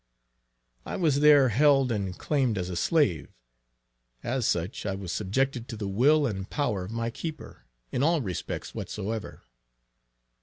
I was there held and claimed as a slave; as such I was subjected to the will and power of my keeper, in all respects whatsoever.